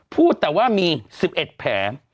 พูดแต่ว่ามี๑๑แผล